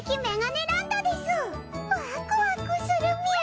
ワクワクするみゃ！